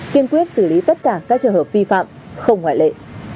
kiên quyết xử lý tất cả các trường hợp vi phạm không ngoại lệ